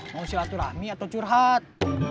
mau silaturahmi atau curhat